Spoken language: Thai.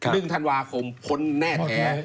หนึ่งธันวาคมพ้นแน่แท้